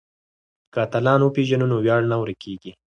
که اتلان وپېژنو نو ویاړ نه ورکيږي.